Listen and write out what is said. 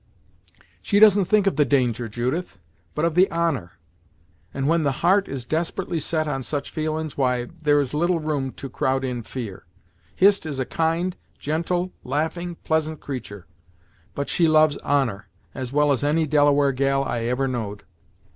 "She doesn't think of the danger, Judith, but of the honor; and when the heart is desperately set on such feelin's, why, there is little room to crowd in fear. Hist is a kind, gentle, laughing, pleasant creatur', but she loves honor, as well as any Delaware gal I ever know'd.